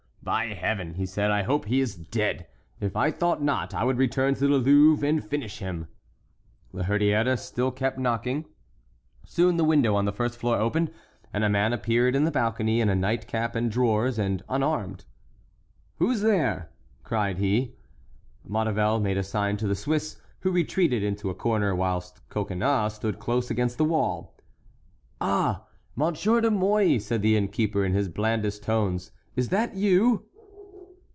"By Heaven!" he said, "I hope he is dead; if I thought not, I would return to the Louvre and finish him." La Hurière still kept knocking. Soon the window on the first floor opened, and a man appeared in the balcony, in a nightcap and drawers, and unarmed. "Who's there?" cried he. Maurevel made a sign to the Swiss, who retreated into a corner, whilst Coconnas stood close against the wall. "Ah! Monsieur de Mouy!" said the innkeeper, in his blandest tones, "is that you?"